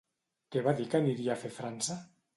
Què va dir que aniria a fer a França?